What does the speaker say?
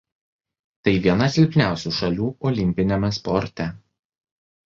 Tai viena silpniausių šalių olimpiniame sporte.